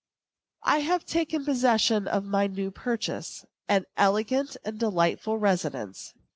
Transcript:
I have taken possession of my new purchase an elegant and delightful residence.